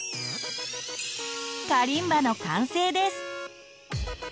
カリンバの完成です。